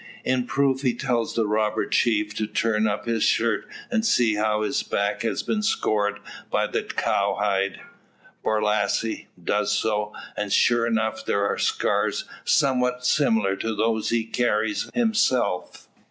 In proof he tells the robber chief to turn up his shirt, and see how his back has been scored by the cowhide. Borlasse does so; and sure enough there are the scars, somewhat similar to those he carries himself.